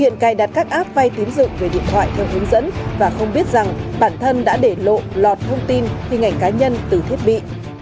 nhặt các app vay tiến dựng về điện thoại theo hướng dẫn và không biết rằng bản thân đã để lộ lọt thông tin khi ngành cá nhân từ thiết bị